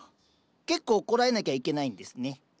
結構こらえなきゃいけないんですね。